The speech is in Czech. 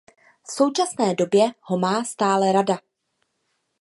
V současné době ho má stále Rada.